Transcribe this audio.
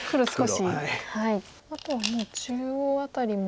あとはもう中央辺りも。